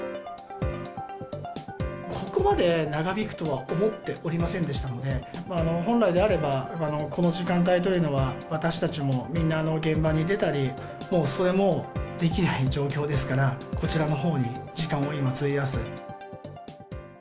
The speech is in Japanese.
ここまで長引くとは思っておりませんでしたので、本来であれば、この時間帯というのは、私たちもみんな現場に出たり、それもできない状況ですから、こちらのほうに時間を今、費やす。